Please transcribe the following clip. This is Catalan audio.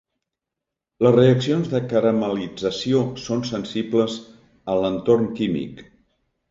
Les reaccions de caramel·lització són sensibles a l'entorn químic.